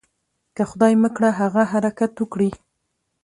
که خدای مه کړه هغه حرکت وکړي.